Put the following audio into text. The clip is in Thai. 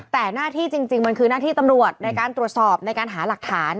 แต่หน้าที่จริงมันคือหน้าที่ตำรวจในการตรวจสอบในการหาหลักฐาน